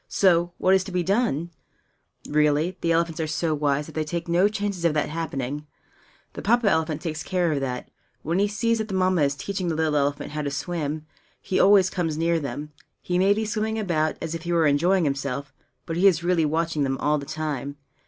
So, what is to be done? Really, the elephants are so wise that they take no chances of that happening. The Papa elephant takes care of that. When he sees that the Mamma is teaching the little elephant how to swim, he always comes near them. He may be swimming about, as if he were enjoying himself; but he is really watching them all the time.